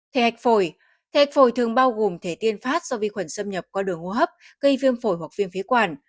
thể hạch phổi thể hạch phổi thường bao gồm thể tiên phát do vi khuẩn xâm nhập qua đường hô hấp gây viêm phổi hoặc viêm phế quản